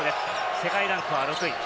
世界ランク６位。